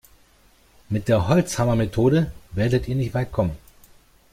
Mit der Holzhammermethode werdet ihr nicht weit kommen.